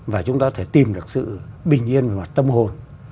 và chúng ta có thể tìm được sự bình yên về mặt tâm hồn